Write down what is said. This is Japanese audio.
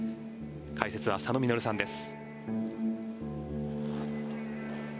解説は佐野稔さんです。